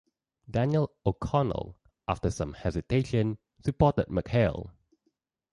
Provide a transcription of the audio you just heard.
Daniel O'Connell, after some hesitation, supported MacHale.